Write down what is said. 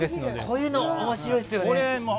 こういうの、面白いですよね。